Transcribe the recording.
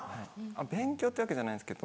勉強っていうわけじゃないんですけど。